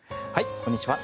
こんにちは。